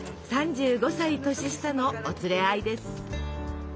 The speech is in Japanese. ３５歳年下のお連れ合いです。